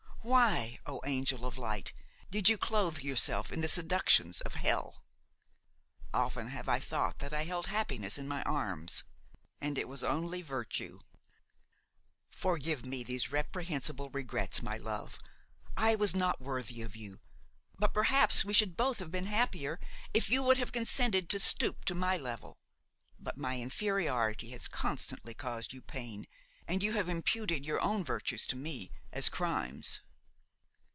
Why, O angel of light, did you clothe yourself in the seductions of hell? Often have I thought that I held happiness in my arms, and it was only virtue. "Forgive me these reprehensible regrets, my love; I was not worthy of you, but perhaps we should both have been happier if you would have consented to stoop to my level. But my inferiority has constantly caused you pain and you have imputed your own virtues to me as crimes.